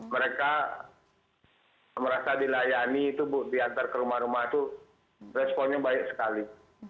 mereka merasa dilayani itu bu diantar ke rumah rumah itu responnya baik sekali